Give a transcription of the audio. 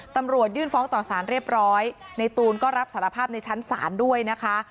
ตำรวจยื่นฟ้องต่อสารเรียบร้อยในตูนก็รับสารภาพในชั้นศาลด้วยนะคะ